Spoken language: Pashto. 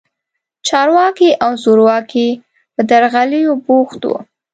چارواکي او زورواکي په درغلیو بوخت وو.